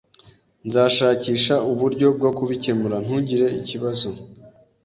Nzashakisha uburyo bwo kubikemura .Ntugire ikibazo .